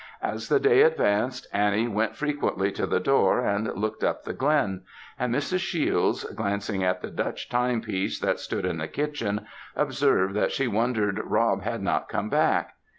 As the day advanced Annie went frequently to the door and looked up the glen; and Mrs. Shiels, glancing at the Dutch timepiece that stood in the kitchen, observed that she wondered Rob had not come back.